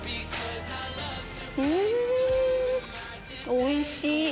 おいしい！